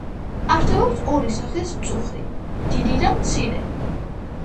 არსებობს ორი სახის მწუხრი: დიდი და მცირე.